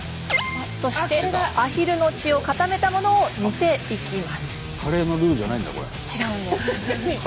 そしてアヒルの血を固めたものを煮ていきます。